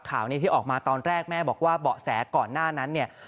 ข่าวนี้ที่ออกมาตอนแรกแม่บอกว่าเบาะแสก่อนหน้านั้นเนี่ย